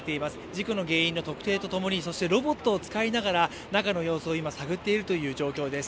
事故の原因の特定とともに、そしてロボットを使いながら中の様子を今、探っているという状況です。